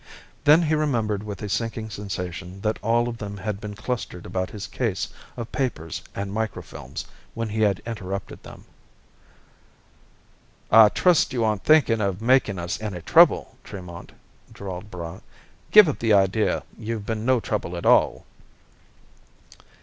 Then he remembered with a sinking sensation that all of them had been clustered about his case of papers and microfilms when he had interrupted them. "I trust you aren't thinking of making us any trouble, Tremont," drawled Braigh. "Give up the idea; you've been no trouble at all."